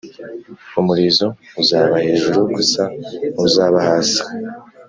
Umurizo uzaba hejuru gusa ntuzaba hasi